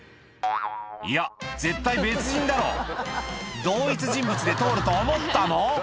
いや絶対別人だろ同一人物で通ると思ったの？